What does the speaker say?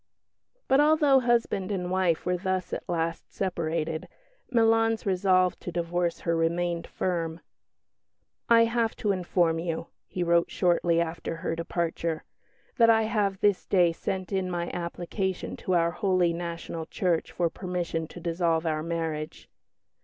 But, although husband and wife were thus at last separated, Milan's resolve to divorce her remained firm. "I have to inform you," he wrote shortly after her departure, "that I have this day sent in my application to our Holy National Church for permission to dissolve our marriage."